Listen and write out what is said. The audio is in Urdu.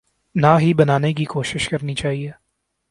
نہ ہی بنانے کی کوشش کرنی چاہیے۔